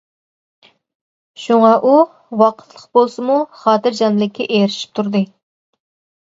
شۇڭا ئۇ ۋاقىتلىق بولسىمۇ خاتىرجەملىككە ئېرىشىپ تۇردى.